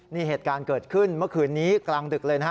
นี่เหตุการณ์เกิดขึ้นเมื่อคืนนี้กลางดึกเลยนะฮะ